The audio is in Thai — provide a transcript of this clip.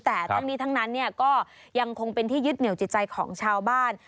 แต่ทั้งนี้ทั้งนั้นก็ยังคงเป็นที่ยึดเหนียวจิตใจของชาวบ้าน